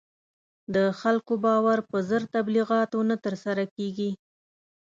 د خلکو باور په زر تبلیغاتو نه تر لاسه کېږي.